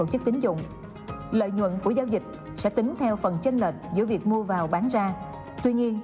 hãy đăng ký kênh để ủng hộ kênh của mình nhé